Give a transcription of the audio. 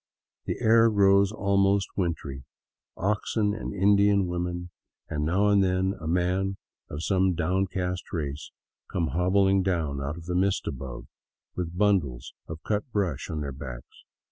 The air grows almost wintry ; oxen and Indian women, and now and then a man of the same downcast race, come hobbling down out of the mist above, with bundles of cut brush on their backs.